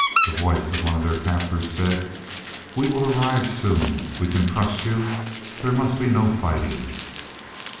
The voice of one of their captors said, "We will arrive soon. We can trust you there must be no fighting?"